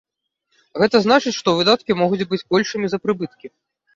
Гэта значыць, што выдаткі могуць быць большымі за прыбыткі.